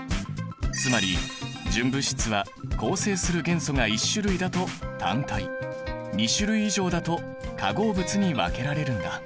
つまり純物質は構成する元素が１種類だと単体２種類以上だと化合物に分けられるんだ。